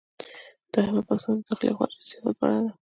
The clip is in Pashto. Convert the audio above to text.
دوهمه پوښتنه د داخلي او خارجي سیاست په اړه ده.